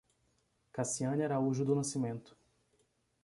Cassiane Araújo do Nascimento